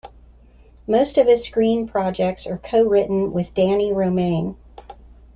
Most of his screen projects are cowritten with Dani Romain.